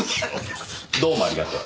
どうもありがとう。